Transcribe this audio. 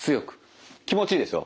気持ちいいですよ